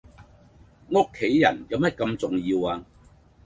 屋企人有咩咁重要呀?